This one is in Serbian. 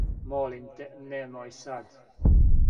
Молим те, немој сад.